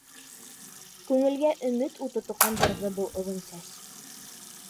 Күңелгә өмөт уты тоҡандырҙы был оҙон сәс.